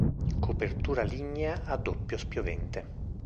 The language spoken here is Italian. Copertura lignea a doppio spiovente.